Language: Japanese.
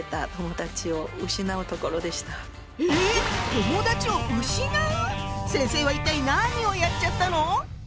友だちを失う⁉先生は一体何をやっちゃったの？